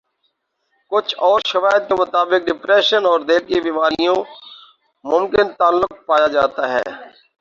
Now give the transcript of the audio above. کچھ اورشواہد کے مطابق ڈپریشن اور دل کی بیماریوں ممکن تعلق پایا جاتا ہے